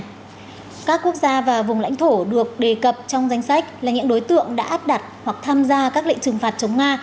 các quốc gia và vùng lãnh thổ được đề cập trong danh sách là những đối tượng đã áp đặt hoặc tham gia các lệnh trừng phạt chống nga